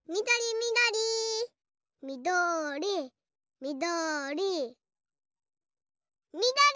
みどりみどりみどりみどり。